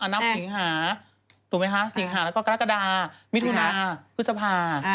นับสิงหาถูกไหมคะสิงหาแล้วก็กรกฎามิถุนาพฤษภา